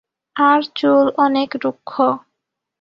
আর চুল অনেক রুক্ষ।